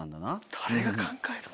誰が考えるの？